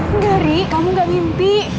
enggak ri kamu gak mimpi